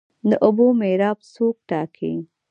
د اوبو میراب څوک ټاکي؟